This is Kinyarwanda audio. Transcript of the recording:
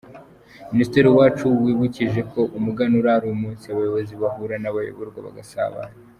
Minisitiri Uwacu wibukije ko umuganura ari umunsi abayobozi bahura n'abayoborwa bagasabana.